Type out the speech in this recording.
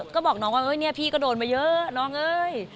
ก็บอกน้องว่าเนี่ยพี่ก็โดนมาเยอะน้องเอ้ย